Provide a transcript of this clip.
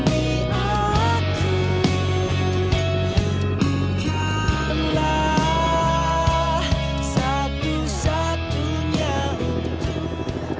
aku bukanlah satu satunya untukmu